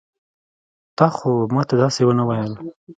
تا خو ما ته داسې ونه ويل.